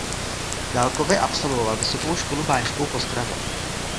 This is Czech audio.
Dálkově absolvoval Vysokou školu báňskou v Ostravě.